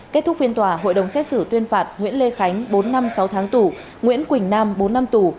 kết thúc phiên tòa hội đồng xét xử tuyên phạt nguyễn lê khánh bốn năm sáu tháng tù nguyễn quỳnh nam bốn năm tù